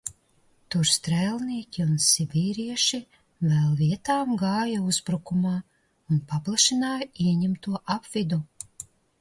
Tur strēlnieki un sibīrieši vēl vietām gāja uzbrukumā un paplašināja ieņemto apvidu.